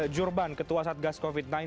jurban ketua satgas covid sembilan belas